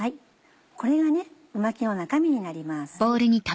これがう巻きの中身になります。